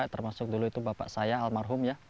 termasuk dulu itu bapak saya almarhum ya